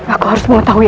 aku harus mengetahui